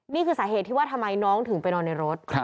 นี่คือสาเหตุที่ว่าทำไมน้องถึงไปนอนในรถ